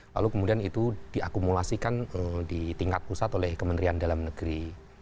lalu kemudian itu diakumulasikan di tingkat pusat oleh kementerian dalam negeri